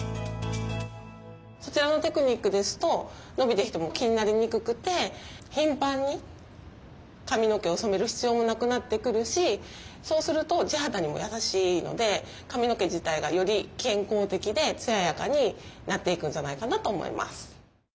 そちらのテクニックですと伸びてきても気になりにくくて頻繁に髪の毛を染める必要もなくなってくるしそうすると地肌にも優しいので髪の毛自体がより健康的で艶やかになっていくんじゃないかなと思います。